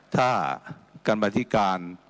ถ้าการบันทิการ